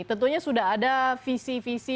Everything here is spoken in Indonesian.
tentunya sudah ada visi visi